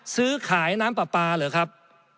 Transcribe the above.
ซื้อขายน้ำปลาปลาเหรอครับ